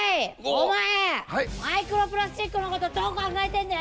お前マイクロプラスチックのことどう考えてんだよ！？